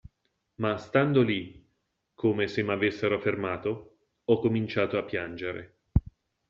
Ma stando lì, come se m'avessero fermato, ho cominciato a piangere.